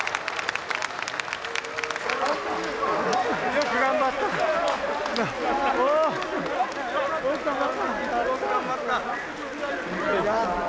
よく頑張った。